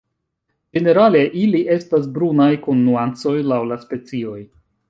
Ĝenerale ili estas brunaj kun nuancoj laŭ la specioj.